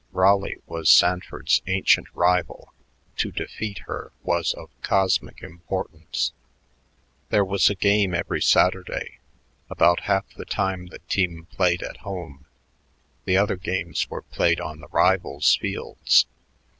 Raleigh was Sanford's ancient rival; to defeat her was of cosmic importance. There was a game every Saturday. About half the time the team played at home; the other games were played on the rivals' fields.